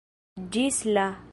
Ĝis la!